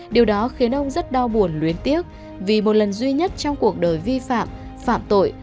điều đó khiến ông rất đau buồn luyến tiếc vì một lần duy nhất trong cuộc đời vi phạm phạm tội